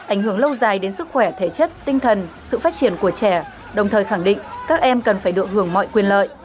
ảnh hưởng lâu dài đến sức khỏe thể chất tinh thần sự phát triển của trẻ đồng thời khẳng định các em cần phải được hưởng mọi quyền lợi